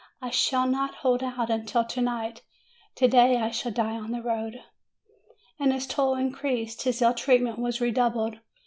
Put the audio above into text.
I shall not hold out until to night! To day I shall die on the road!" And his toil increased, his ill treatment was re doubled.